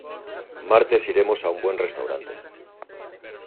Martes iremos a un buen restaurante.